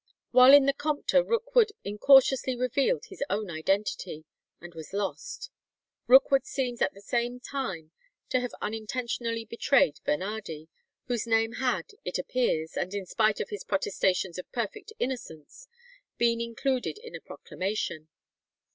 While in the Compter Rookwood incautiously revealed his own identity, and was lost. Rookwood seems at the same time to have unintentionally betrayed Bernardi, whose name had, it appears, and in spite of his protestations of perfect innocence, been included in a proclamation.